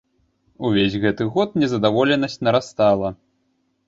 Увесь гэты год незадаволенасць нарастала.